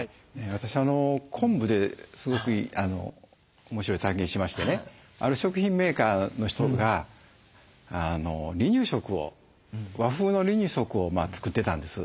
私昆布ですごく面白い体験しましてねある食品メーカーの人が和風の離乳食を作ってたんです。